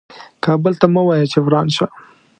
کابل ته مه وایه چې وران شه .